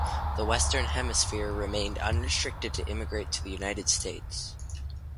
The Western Hemisphere remained unrestricted to immigrate to the United States.